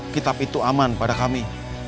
kitab itu aman pada kami